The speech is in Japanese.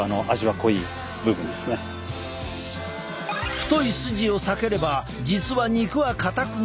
太いスジを避ければ実は肉はかたくない。